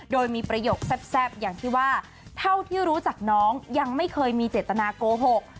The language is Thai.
โดยมีประโยคแซ่บอย่างที่ว่าเท่าที่รู้จักน้องยังไม่เคยมีเจตนาโกหก